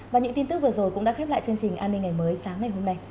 và những tin tức vừa rồi cũng đã khép lại chương trình an ninh ngày mới sáng ngày hôm nay